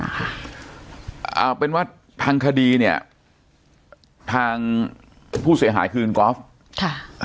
เอาเป็นว่าทางคดีเนี้ยทางผู้เสียหายคืนกอล์ฟค่ะ